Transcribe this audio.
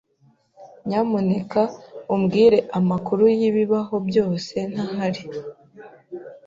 Nyamuneka umbwire amakuru y'ibibaho byose ntahari.